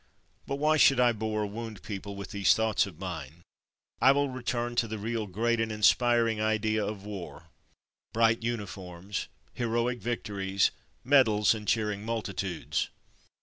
But why should I bore or wound people with these thoughts of mine ? I will return to the real great and inspiring idea of war: bright uniforms — heroic victories, medals, and cheering multitudes.